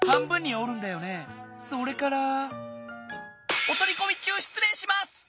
おとりこみ中しつれいします！